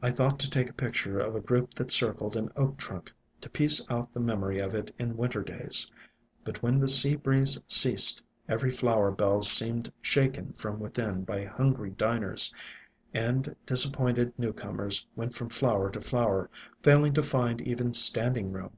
I thought to take a picture of a group that circled an Oak trunk, to piece out the memory of it in winter days. But when the sea breeze ceased, every flower bell seemed shaken from within by hungry diners, and disappointed new comers went from flower to flower, failing to find even standing room.